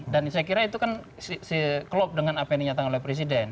dan saya kira itu kan seklop dengan apa yang dinyatakan oleh presiden